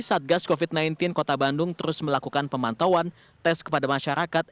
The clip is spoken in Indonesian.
satgas covid sembilan belas kota bandung terus melakukan pemantauan tes kepada masyarakat